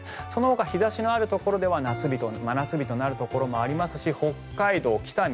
日差しのあるところでは真夏日となるところがありますし北海道北見